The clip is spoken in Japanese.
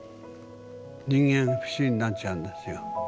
人間不信になっちゃうんですよ。